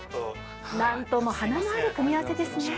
なんとも華のある組み合わせですね。